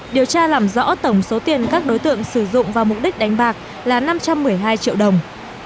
điều tra làm rõ tổng số tiền các đối tượng sử dụng vào mục đích đánh bạc là năm trăm một mươi hai triệu đồng